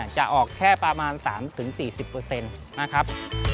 จะออกแค่ประมาณ๓๔๐นะครับ